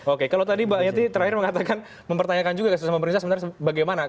oke kalau tadi pak nyati terakhir mengatakan mempertanyakan juga sama pemerintah sebenarnya bagaimana